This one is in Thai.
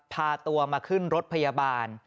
พาตัวมาขึ้นรถพยาบาล